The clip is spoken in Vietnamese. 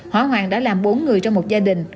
hóa hoàng đã làm bốn người trong một gia đình